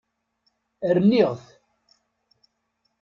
Rniɣ-t.